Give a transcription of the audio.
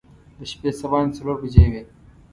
د شپې څه باندې څلور بجې وې.